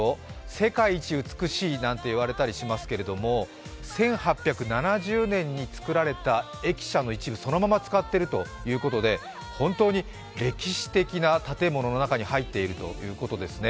世界一美しいなんて言われたりしますけど１８７０年に作られた駅舎の一部そのまま使っているということで本当に歴史的な建物の中に入ってるということですね。